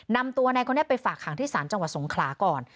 นำตัวในคนนี้ไปฝากหางที่ศาลจังหวัดสงขลาก่อน